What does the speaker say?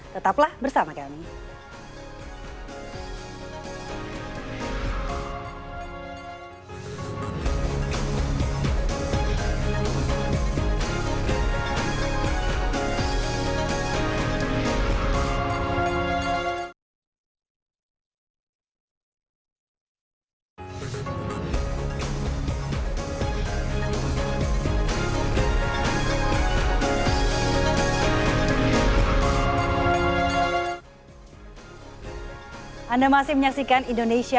tetaplah bersama kami